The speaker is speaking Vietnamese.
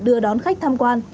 đưa đón khách thăm quan